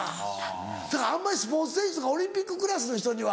だからあんまりスポーツ選手とかオリンピッククラスの人には。